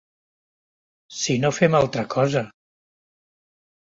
Si no fem altra cosa.